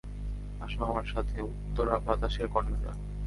আসো আমার সাথে, উত্তরা বাতাসের কন্যারা!